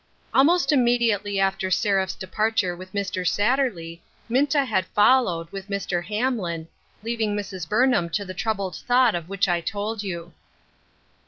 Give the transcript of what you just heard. ALMOST immediately after Seraph's departure with Mr. Satterley, Minta had followed, with Mr. Hamlin, leaving Mrs. Burnham to the troubled thought of which I told you.